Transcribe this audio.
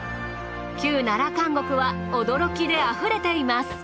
旧奈良監獄は驚きであふれています。